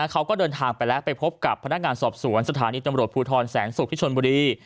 เขาก็เดินทางไปแล้วไปพบกับพนักงานสอบสวนสถานีตำรวจภูทรแสนศุกร์ที่ชนบุรี